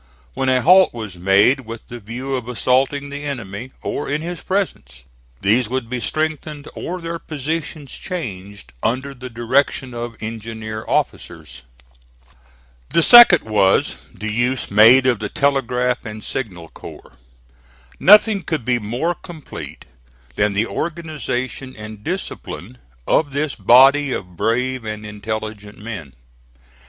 When a halt was made with the view of assaulting the enemy, or in his presence, these would be strengthened or their positions changed under the direction of engineer officers. The second was, the use made of the telegraph and signal corps. Nothing could be more complete than the organization and discipline of this body of brave and intelligent men.